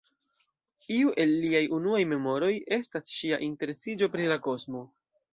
Iuj el liaj unuaj memoroj estas ŝia interesiĝo por la kosmo.